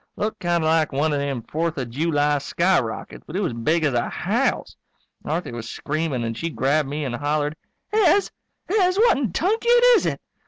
Looked kind of like one of them Fourth of July skyrockets, but it was big as a house. Marthy was screaming and she grabbed me and hollered, "Hez! Hez, what in tunket is it?"